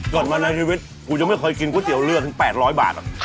ก่อนมาในเทวิตอยู่ไม่เคยกินข้าวเตี๋ยวเรือถึง๘๐๐บาท